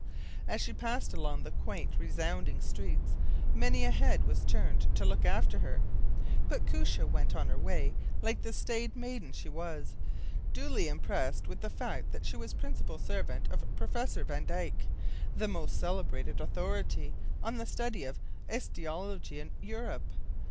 As she passed along the quaint, resounding streets, many a head was turned to look after her; but Koosje went on her way like the staid maiden she was, duly impressed with the fact that she was principal servant of Professor van Dijck, the most celebrated authority on the study of osteology in Europe.